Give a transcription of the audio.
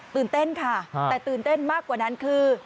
ตื่นเต้นค่ะแต่ตื่นเต้นมากกว่านั้นคือ